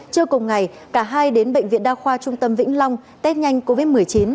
trưa cùng ngày cả hai đến bệnh viện đa khoa trung tâm vĩnh long test nhanh covid một mươi chín